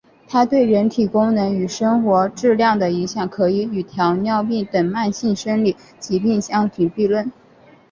它对人体功能与生活质量的影响可以与糖尿病等慢性生理疾病相提并论。